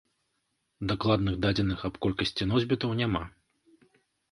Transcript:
Дакладных дадзеных аб колькасці носьбітаў няма.